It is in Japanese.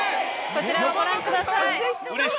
こちらをご覧ください。